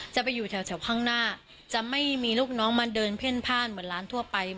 จะไปอยู่แถวข้างหน้าจะไม่มีลูกน้องมาเดินเพ่นพ่านเหมือนร้านทั่วไป